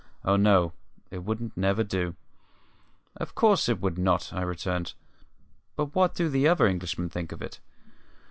Oh no; it wouldn't never do." "Of course it would not," I returned. "But what do the other Englishmen think of it?"